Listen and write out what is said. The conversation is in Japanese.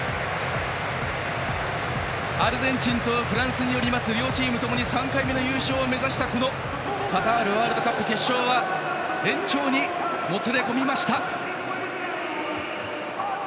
アルゼンチンとフランスによる両チームともに３回目の優勝を目指したカタールワールドカップの決勝は延長にもつれ込みました。